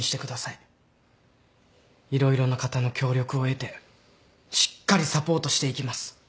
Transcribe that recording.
色々な方の協力を得てしっかりサポートしていきます。